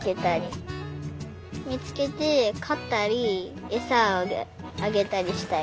みつけてかったりえさをあげたりしたい。